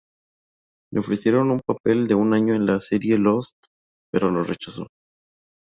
Le ofrecieron un papel de un año en la serie "Lost", pero lo rechazó.